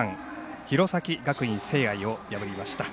弘前学院聖愛を破りました。